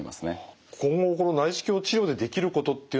今後この内視鏡治療でできることっていうのは小野さん